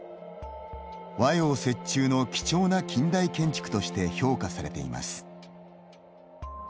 和洋折衷の貴重な近代建築として評価されています。